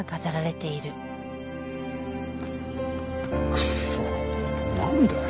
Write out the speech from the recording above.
クッソなんだよ